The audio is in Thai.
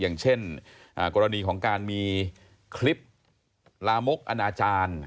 อย่างเช่นกรณีของการมีคลิปลามกอนาจารย์